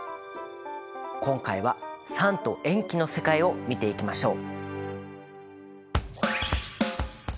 今回は酸と塩基の世界を見ていきましょう。